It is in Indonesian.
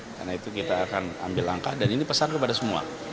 karena itu kita akan ambil langkah dan ini pesan kepada semua